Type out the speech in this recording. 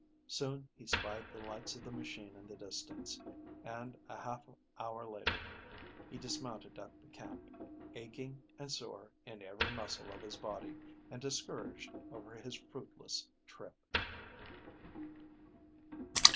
Soon he spied the lights of the machine in the distance, and a half hour later he dismounted at the camp, aching and sore in every muscle of his body, and discouraged over his fruitless trip.